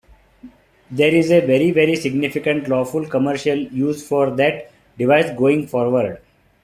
There is a very, very significant lawful commercial use for that device, going forward.